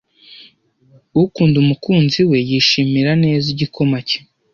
Ukunda umukunzi we, yishimira neza igikoma cye,